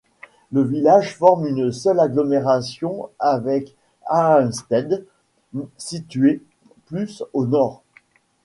Le village forme une seule agglomération avec Haamstede, situé plus au nord.